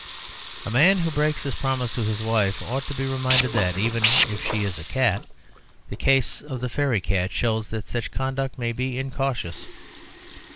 A man who breaks his promise to his wife ought to be reminded that, even if she is a cat, the case of the fairy cat shows that such conduct may be incautious.